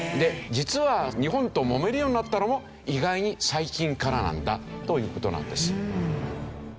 実は日本ともめるようになったのも意外に最近からなんだという事なんです。